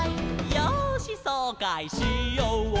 「よーしそうかいしようかい」